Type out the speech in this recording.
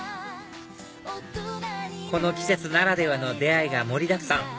この季節ならではの出会いが盛りだくさん